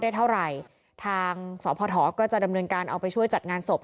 เท่าไหร่ทางสพก็จะดำเนินการเอาไปช่วยจัดงานศพ